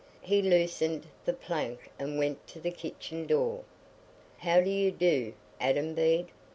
He loosed the plank and went to the kitchen door. "How do you do, Adam Bede?"